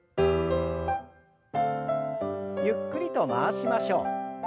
ゆっくりと回しましょう。